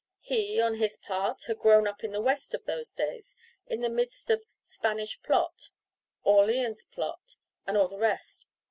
He, on his part, had grown up in the West of those days, in the midst of "Spanish plot," "Orleans plot," and all the rest.